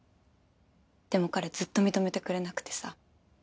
でも彼ずっと認めてくれなくてさ。